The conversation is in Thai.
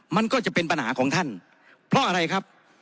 มันก็จะเป็นปัญหาของท่านเพราะอะไรครับ